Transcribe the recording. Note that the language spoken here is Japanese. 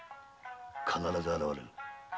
必ず現れる。